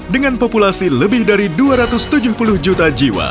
dengan populasi lebih dari dua ratus tujuh puluh juta jiwa